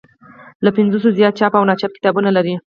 له پنځوسو زیات چاپ او ناچاپ کتابونه لري.